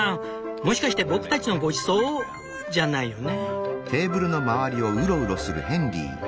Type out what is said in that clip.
もしかして僕たちのごちそう？じゃないよね」。